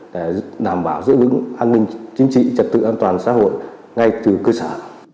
để đảm bảo giữ vững an ninh chính trị trật tự an toàn xã hội ngay từ cơ sở